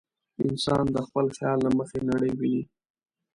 انسان د خپل خیال له مخې نړۍ ویني.